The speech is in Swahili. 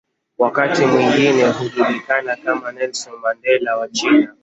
Wakati mwingine hujulikana kama "Nelson Mandela wa China".